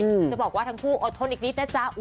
จะบอกว่าทั้งคู่อดทนอีกนิดนะจ๊ะ